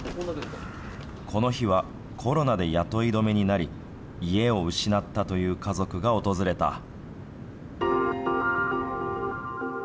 この日は、コロナで雇い止めになり、家を失ったという家族が訪れた。